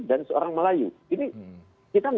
dan seorang melayu ini kita